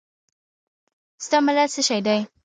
ستا ملت څه شی دی؟